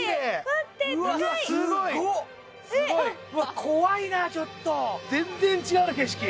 すごいうわっ怖いなちょっと全然違うね景色